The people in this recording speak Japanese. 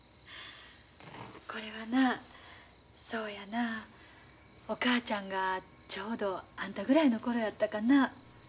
これはなそうやなあお母ちゃんがちょうどあんたぐらいの頃やったかな。